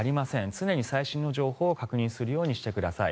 常に最新の情報を確認するようにしてください。